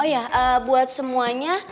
oh ya buat semuanya